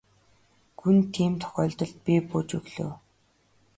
Гүн тийм тохиолдолд би бууж өглөө.